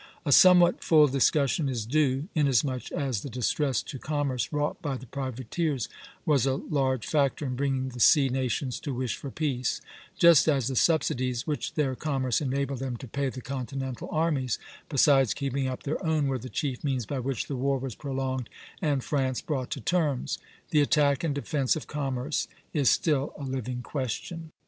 A somewhat full discussion is due, inasmuch as the distress to commerce wrought by the privateers was a large factor in bringing the sea nations to wish for peace; just as the subsidies, which their commerce enabled them to pay the continental armies, besides keeping up their own, were the chief means by which the war was prolonged and France brought to terms. The attack and defence of commerce is still a living question.